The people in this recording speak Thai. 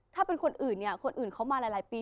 ถ้าเป็นคนอื่นเนี่ยคนอื่นเขามาหลายปี